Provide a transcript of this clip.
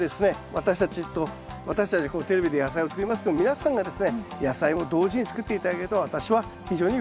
私たちと私たちはこうテレビで野菜を作りますけど皆さんがですね野菜を同時に作って頂けると私は非常にうれしいと思います。